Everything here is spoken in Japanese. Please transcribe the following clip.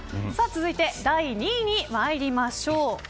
続いて、第２位に参りましょう。